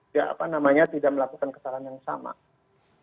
ya apa namanya tidak melakukan hal hal yang tidak terlalu baik